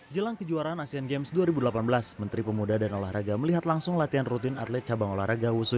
jelang kejuaraan asian games dua ribu delapan belas menteri pemuda dan olahraga melihat langsung latihan rutin atlet cabang olahraga wusu